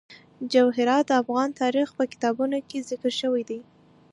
جواهرات د افغان تاریخ په کتابونو کې ذکر شوی دي.